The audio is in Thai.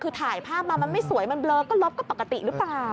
คือถ่ายภาพมามันไม่สวยมันเบลอก็ลบก็ปกติหรือเปล่า